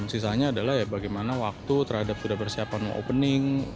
sisanya adalah ya bagaimana waktu terhadap sudah persiapan mau opening